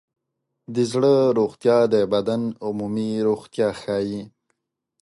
د زړه روغتیا د بدن عمومي روغتیا ښيي.